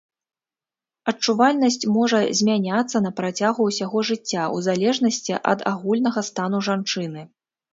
Адчувальнасць можа змяняцца на працягу ўсяго жыцця, у залежнасці ад агульнага стану жанчыны.